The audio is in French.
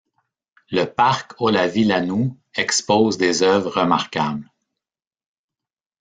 Le parc Olavi Lanu expose des œuvres remarquables.